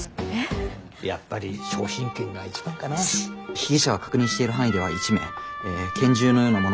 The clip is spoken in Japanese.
被疑者は確認している範囲では１名拳銃のようなものを所持。